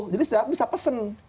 jadi bisa pesen